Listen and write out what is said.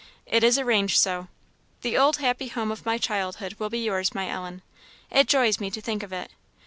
It is arranged so. The old happy home of my childhood will be yours, my Ellen. It joys me to think of it.